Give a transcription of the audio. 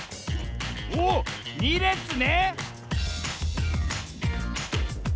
おっ２れつね！